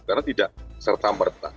karena tidak serta merta